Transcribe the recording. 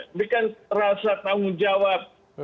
memberikan rasa tanggung jawab